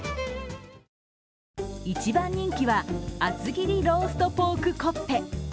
一番人気は厚切りローストポークコッペ。